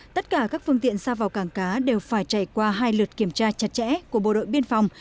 tất cả các phương tiện xa vào cảng cá đều phải chạy qua hai lượt kiểm tra chặt chẽ của bộ đội biên phòng